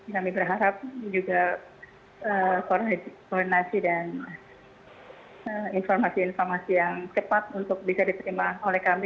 kami berharap ini juga koordinasi dan informasi informasi yang cepat untuk bisa diterima oleh kami